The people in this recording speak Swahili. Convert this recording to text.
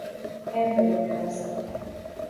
Embe limeoza